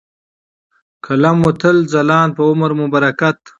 ، قلم مو تل ځلاند په عمر مو برکت .